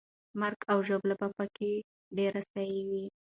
مرګ او ژوبله به پکې ډېره سوې وي.